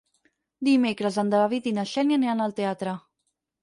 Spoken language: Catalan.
Dimecres en David i na Xènia aniran al teatre.